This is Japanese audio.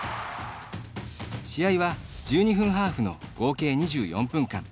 試合は、１２分ハーフの合計２４分間。